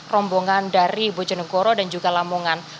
rombongan dari bojonegoro dan juga lamongan